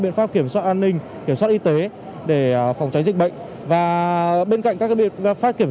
biện pháp kiểm soát an ninh kiểm soát y tế để phòng tránh dịch bệnh và bên cạnh các biện pháp kiểm